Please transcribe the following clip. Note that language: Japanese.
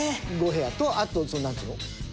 ５部屋とあとなんつうの？